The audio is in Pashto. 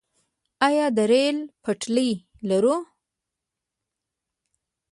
آیا د ریل پټلۍ لرو؟